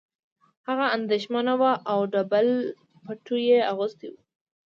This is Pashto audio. هغه اندېښمنه وه او ډبل پټو یې اغوستی و